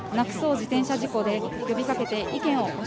自転車事故で呼びかけて意見を募集